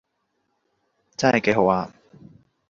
真係幾好啊